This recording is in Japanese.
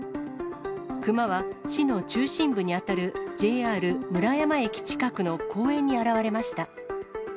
熊は市の中心部に当たるＪＲ村山駅近くの公園に現れました。